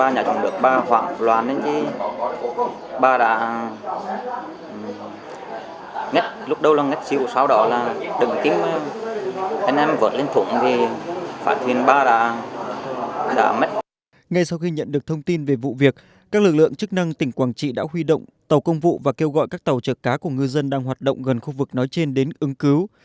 ngay sau khi nhận được thông tin về vụ việc các lực lượng chức năng tỉnh quảng trị đã huy động tàu công vụ và kêu gọi các tàu chở cá của ngư dân đang hoạt động gần khu vực nói trên đến ứng cứu